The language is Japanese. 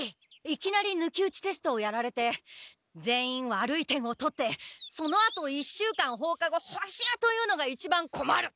いきなり抜き打ちテストをやられて全員悪い点を取ってそのあと１週間放課後補習というのが一番こまる！